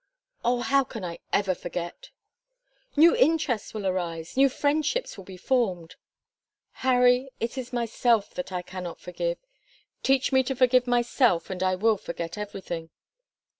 "Oh! how can I ever forget?" "New interests will arise; new friendships will be formed " "Harry, it is myself that I cannot forgive. Teach me to forgive myself, and I will forget everything."